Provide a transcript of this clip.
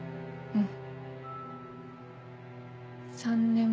うん。